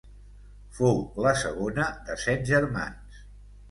Fou la segona de set germans.